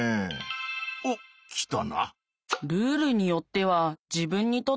おっ来たな！